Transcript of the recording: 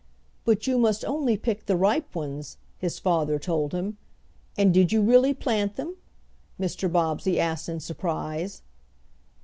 "But you must only pick the ripe ones," his father told him. "And did you really plant them?" Mr. Bobbsey asked in surprise.